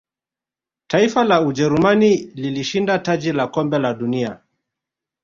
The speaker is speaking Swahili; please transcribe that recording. taifa la ujerumani lilishinda taji la kombe la dunia